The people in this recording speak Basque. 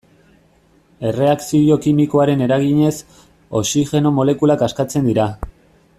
Erreakzio kimikoaren eraginez, oxigeno molekulak askatzen dira.